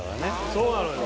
そうなのよ